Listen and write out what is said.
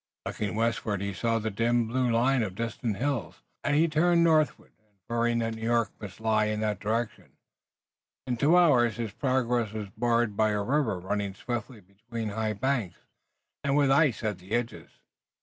Looking westward he saw the dim blue line of distant hills, and he turned northward, inferring that New York must lie in that direction. In two hours his progress was barred by a river running swiftly between high banks, and with ice at the edges.